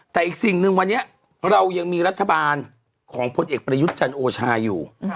แต่อีกสิ่งหนึ่งวันนี้เรายังมีรัฐบาลของพลเอกประยุทธ์จันทร์โอชาอยู่